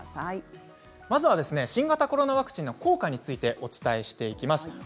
新型コロナワクチンの効果についてお伝えしていきます。